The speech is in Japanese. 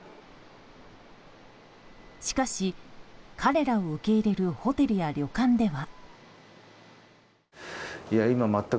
しかし、彼らを受け入れるホテルや旅館では。